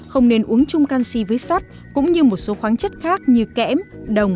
không nên uống chung canxi với sắt cũng như một số khoáng chất khác như kẽm đồng